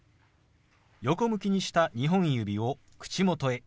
横向きにした２本指を口元へ。